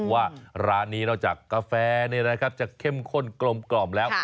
ว่าร้านนี้นอกจากกาแฟจะเข้มข้นกลมแล้ว